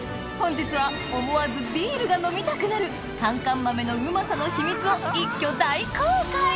本日は思わずビールが飲みたくなる寒甘豆のうまさの秘密を一挙大公開！